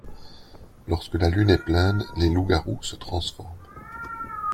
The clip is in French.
Lorsque la lune est pleine, les loups-garous se transforment.